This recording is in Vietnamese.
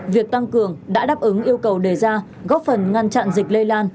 việc tăng cường đã đáp ứng yêu cầu đề ra góp phần ngăn chặn dịch lây lan